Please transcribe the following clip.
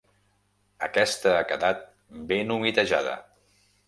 Aquesta ha quedat ben humitejada.